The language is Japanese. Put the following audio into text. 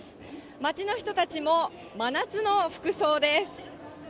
街の人たちも真夏の服装です。